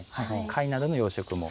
貝などの養殖も。